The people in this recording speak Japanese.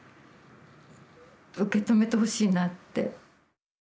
受け止めてほしいなって。